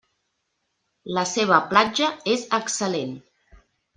La seva platja és excel·lent.